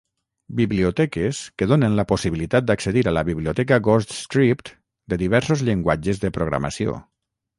Biblioteques que donen la possibilitat d'accedir a la biblioteca Ghostscript de diversos llenguatges de programació.